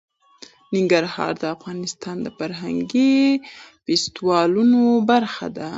ننګرهار د افغانستان د فرهنګي فستیوالونو برخه ده.